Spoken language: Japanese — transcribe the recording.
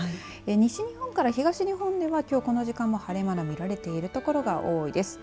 西日本から東日本ではきょう、この時間も晴れ間が見られている所が多いです。